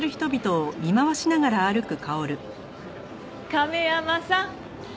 亀山さん。